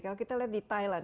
kalau kita lihat di thailand